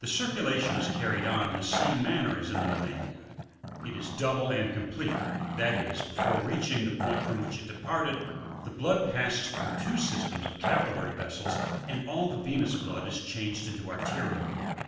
39. The circulation is carried on in the same manner as in the mammalia ; it is double and complete, that is, before reach ing the point from which it departed, the blood passes through two systems of capillary vessels, and all the venous blood is changed into arterial blood.